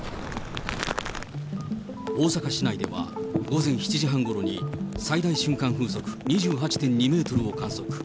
大阪市内では、午前７時半ごろに最大瞬間風速２８．２メートルを観測。